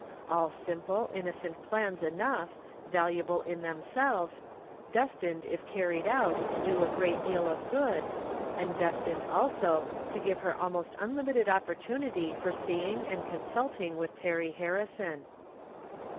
AU simple, innocent plans enough, valuable in themselves ; destined, if carried out, to do a great deal of good, and destined, also, to give her almost un limited opportunity for seeing and consulting with Perry Harrison.